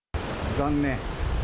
残念。